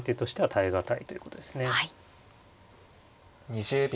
２０秒。